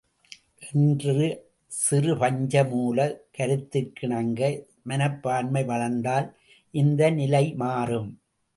என்ற சிறு பஞ்ச மூலக் கருத்திற்கிணங்க மனப்பான்மை வளர்ந்தால் இந்த நிலை மாறும்.